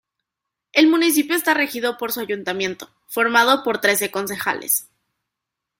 El municipio está regido por su ayuntamiento, formado por trece concejales.